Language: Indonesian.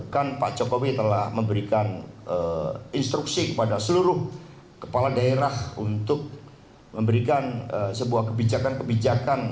kan pak jokowi telah memberikan instruksi kepada seluruh kepala daerah untuk memberikan sebuah kebijakan kebijakan